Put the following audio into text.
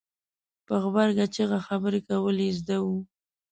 په غبرګه چېغه خبره کول یې زده وو.